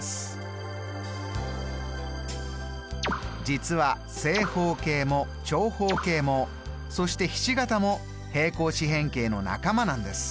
実は正方形も長方形もそしてひし形も平方四辺形の仲間なんです。